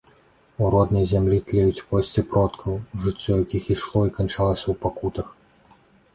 У роднай зямлі тлеюць косці продкаў, жыццё якіх ішло і канчалася ў пакутах.